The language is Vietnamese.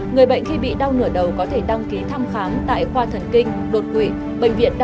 người bệnh khi bị đau nửa đầu có thể đăng ký thăm khám tại khoa thần kinh đột quỵ bệnh viện đa